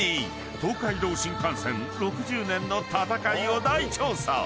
東海道新幹線６０年の闘いを大調査。